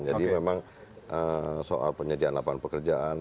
jadi memang soal penyediaan lapangan pekerjaan